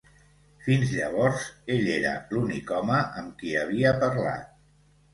Fins llavors, ell era l'únic home amb qui havia parlat.